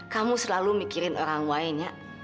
kamu selalu mikirin orang lain ya